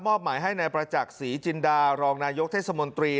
หมายให้นายประจักษ์ศรีจินดารองนายกเทศมนตรี